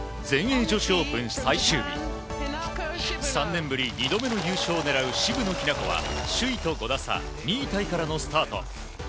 ３年ぶり２度目の優勝を狙う渋野日向子は首位と５打差２位タイからのスタート。